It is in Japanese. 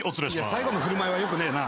最後の振る舞いはよくねえな。